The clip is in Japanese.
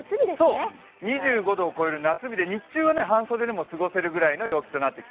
２５度を超える夏日で日中は半袖で過ごせるようですね。